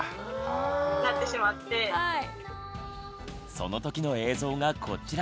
そのときの映像がこちら。